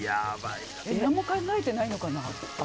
何も考えてないのかな。